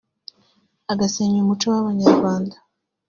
agasenya umuco w’Abanyarwanda